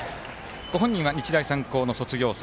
ご本人は日大三高の卒業生。